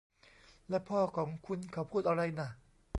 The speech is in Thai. และพ่อของคุณ เขาพูดอะไรน่ะ